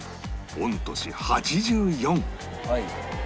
御年８４